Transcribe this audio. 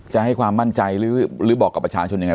จะให้ความมั่นใจหรือบอกกับประชาชนยังไง